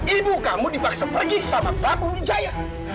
ibu kamu dipaksa pergi sama prabu wijaya